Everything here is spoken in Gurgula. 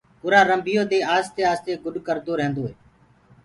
اُرآ رنڀيو دي آستي آستي گُڏ ڪردو ريندوئي